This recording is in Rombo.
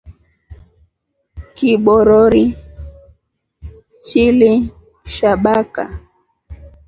Kibobori chili sha baka.